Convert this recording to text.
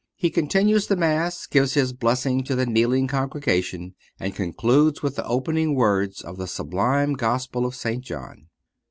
He continues the Mass, gives his blessing to the kneeling congregation, and concludes with the opening words of the sublime Gospel of St. John.